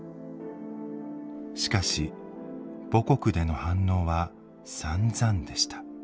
しかし母国での反応はさんざんでした。